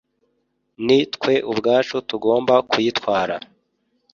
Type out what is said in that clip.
ni twe ubwacu tugomba kuyitwara